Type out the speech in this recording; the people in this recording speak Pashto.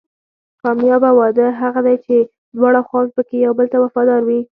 کامیابه واده هغه دی چې دواړه خواوې پکې یو بل ته وفادار وي.